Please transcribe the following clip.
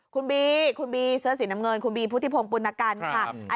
คุณบีคุณบีเสื้อสีน้ำเงินคุณบีพุทธิพงศ์ปุณกันค่ะ